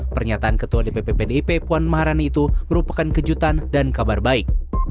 pernyataan ketua dpp pdip puan maharani itu merupakan kejutan dan kabar baik